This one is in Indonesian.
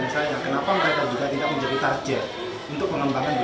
saya juga setiap hari bergumul dengan pelanggan saya